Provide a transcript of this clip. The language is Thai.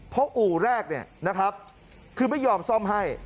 เพราะอู่แรกคือไม่ยอมซ่อมให้